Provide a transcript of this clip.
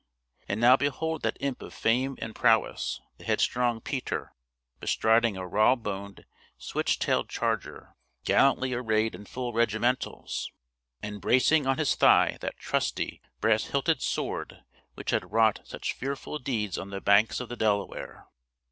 And now behold that imp of fame and prowess, the headstrong Peter, bestriding a raw boned, switch tailed charger, gallantly arrayed in full regimentals, and bracing on his thigh that trusty, brass hilted sword, which had wrought such fearful deeds on the banks of the Delaware.